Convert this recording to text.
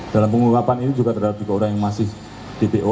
dalam pengungkapan ini juga terdapat tiga orang yang masih dpo